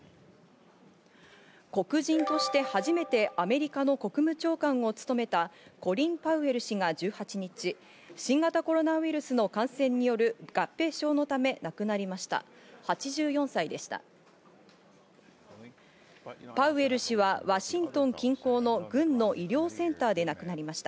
黒人として初めてアメリカの国務長官を務めたコリン・パウエル氏が１８日、新型コロナウイルスの感染による合併症のため亡くなりました。